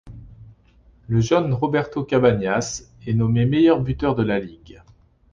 Le jeune Roberto Cabañas est nommé meilleur buteur de la ligue.